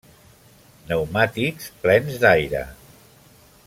Pneumàtics plens d’aire.